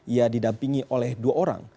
ia didampingi oleh dua orang